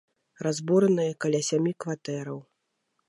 Разбураныя каля сямі кватэраў.